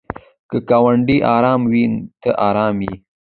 که ګاونډی ارام وي ته ارام یې.